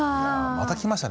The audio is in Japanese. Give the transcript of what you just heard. またきましたね。